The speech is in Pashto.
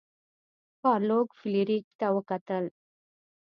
ګارلوک فلیریک ته وکتل.